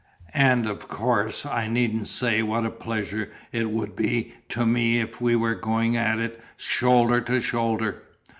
And of course I needn't say what a pleasure it would be to me if we were going at it SHOULDER TO SHOULDER."